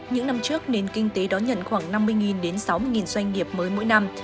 những năm trước nền kinh tế đón nhận khoảng năm mươi đến sáu mươi doanh nghiệp mới mỗi năm